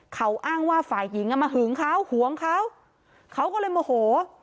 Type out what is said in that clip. เขาอ้างว่าฝ่ายหญิงอ่ะมาหึงเขาหวงเขาเขาก็เลยโมโห